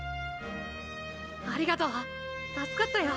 ありがとう助かったよ。